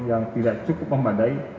yang tidak cukup memadai